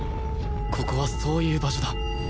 ここはそういう場所だ